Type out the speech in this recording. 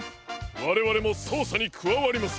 われわれもそうさにくわわります。